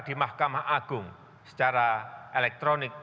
di mahkamah agung secara elektronik